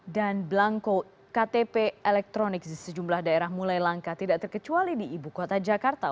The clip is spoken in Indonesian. dan blanko ktp elektronik di sejumlah daerah mulai langka tidak terkecuali di ibu kota jakarta